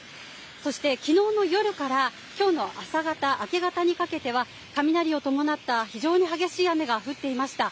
そしてきのうの夜からきょうの朝方、明け方にかけては雷を伴った非常に激しい雨が降っていました。